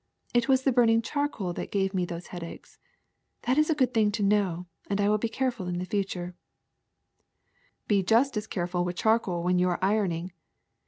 It was the burning charcoal that gave me those headaches. That is a good thing to know, and I will be careful in future/' *^Be just as careful with charcoal when you are ironing.